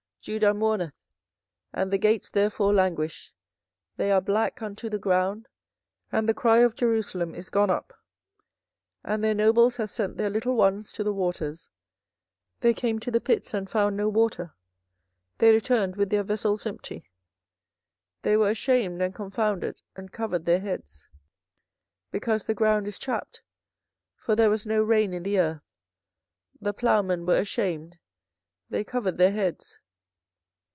24:014:002 Judah mourneth, and the gates thereof languish; they are black unto the ground; and the cry of Jerusalem is gone up. 24:014:003 And their nobles have sent their little ones to the waters: they came to the pits, and found no water; they returned with their vessels empty; they were ashamed and confounded, and covered their heads. 24:014:004 Because the ground is chapt, for there was no rain in the earth, the plowmen were ashamed, they covered their heads.